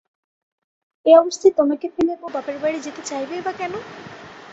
এই অবস্থায় তোমাকে ফেলে বউ বাপের বাড়ি যেতে চাইবেই বা কেন।